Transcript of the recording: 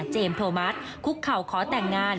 โทมัสคุกเข่าขอแต่งงาน